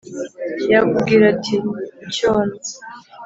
yakubwira ati: “cyono